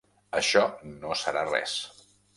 Això no serà res.